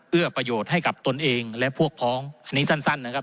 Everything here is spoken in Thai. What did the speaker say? ประโยชน์ให้กับตนเองและพวกพ้องอันนี้สั้นนะครับ